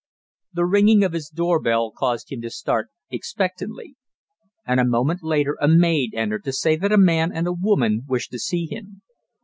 The ringing of his door bell caused him to start expectantly, and a moment later a maid entered to say that a man and a woman wished to see him.